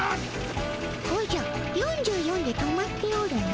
おじゃ４４で止まっておるの。